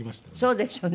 そうですよね。